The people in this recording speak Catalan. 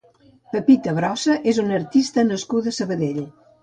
Pepita Brossa és una artista nascuda a Sabadell.